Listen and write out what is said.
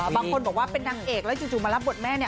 บางคนบอกว่าเป็นนางเอกแล้วจู่มารับบทแม่เนี่ย